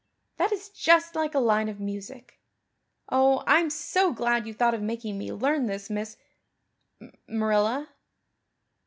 That is just like a line of music. Oh, I'm so glad you thought of making me learn this, Miss Marilla."